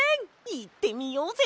いってみようぜ！